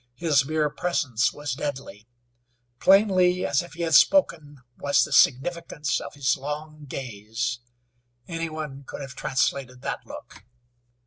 His mere presence was deadly. Plainly as if he had spoken was the significance of his long gaze. Any one could have translated that look.